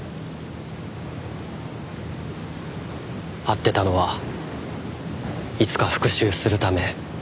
会ってたのはいつか復讐するため。